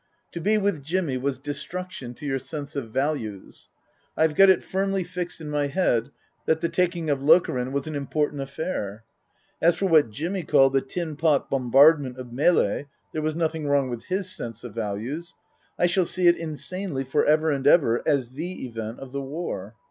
To be with Jimmy was destruction to your sense of values. I have got it firmly fixed in my head that the taking of Lokeren was an important affair. As for what Jimmy called the " tinpot bombardment of Melle " (there was nothing wrong with his sense of values), I shall see it insanely, for ever and ever, as the event of the war.